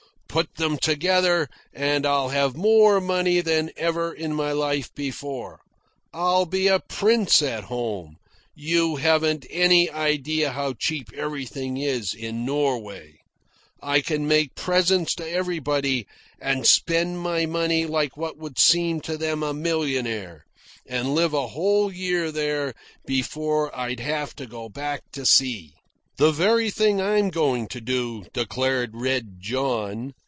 Put them together, and I'll have more money than ever in my life before. I'll be a prince at home. You haven't any idea how cheap everything is in Norway. I can make presents to everybody, and spend my money like what would seem to them a millionaire, and live a whole year there before I'd have to go back to sea." "The very thing I'm going to do," declared Red John.